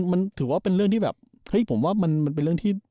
มันถือว่าเป็นเรื่องที่แบบเฮ้ยผมว่ามันเป็นเรื่องที่